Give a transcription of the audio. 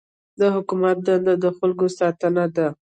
د حکومت دنده د خلکو ساتنه ده.